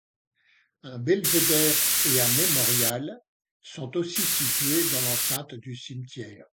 Un belvédère et un mémorial sont aussi situés dans l’enceinte du cimetière.